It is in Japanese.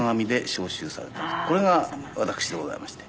これが私でございまして。